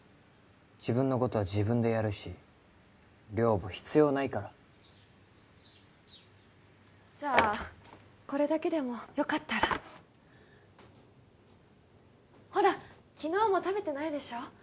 自分のことは自分でやるし寮母必要ないからじゃあこれだけでもよかったらほら昨日も食べてないでしょ